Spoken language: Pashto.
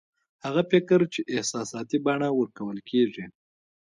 هغه فکر چې احساساتي بڼه ورکول کېږي